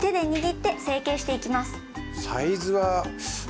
サイズは。